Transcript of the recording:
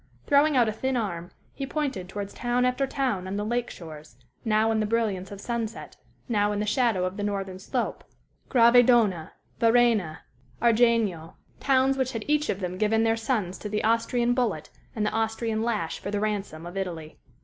Throwing out a thin arm, he pointed towards town after town on the lake shores, now in the brilliance of sunset, now in the shadow of the northern slope Gravedona, Varenna, Argegno towns which had each of them given their sons to the Austrian bullet and the Austrian lash for the ransom of Italy.